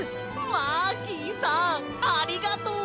マーキーさんありがとう！